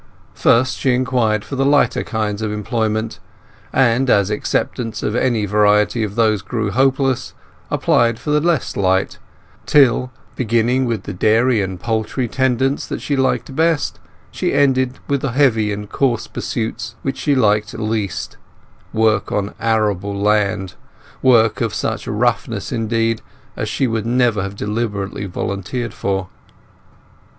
First she inquired for the lighter kinds of employment, and, as acceptance in any variety of these grew hopeless, applied next for the less light, till, beginning with the dairy and poultry tendance that she liked best, she ended with the heavy and course pursuits which she liked least—work on arable land: work of such roughness, indeed, as she would never have deliberately voluteered for.